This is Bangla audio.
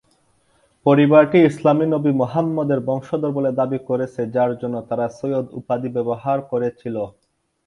পরিবারটি ইসলামি নবী মুহাম্মদের বংশধর বলে দাবি করেছে যার জন্য তারা "সৈয়দ" উপাধি ব্যবহার করেছিল।